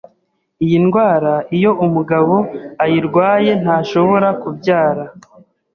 Iyi ndwara iyo umugabo ayirwaye ntashobora kubyara,